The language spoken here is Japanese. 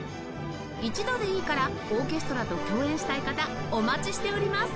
一度でいいからオーケストラと共演したい方お待ちしております